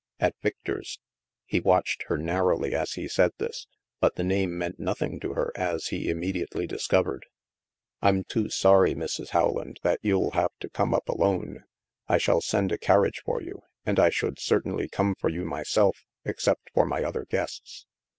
" '*At Victor's." (He watched her narrowly as he said this, but the name meant nothing to her as he immediately discovered. )I'm too sorry, Mrs. Howland, that you'll have to come up alone. I shall send a carriage for you, and I should certainly come for you myself, except for my other guests."